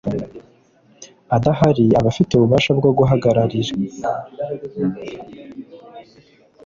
adahari aba afite ububasha bwo guhagararira